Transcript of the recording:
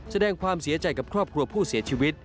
แสดงความเสียใจกับครอบครัวผู้เสียชีวิต